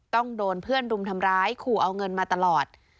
ต้องโดนเพื่อนรุมทำร้ายขู่เอาเงินมาตลอด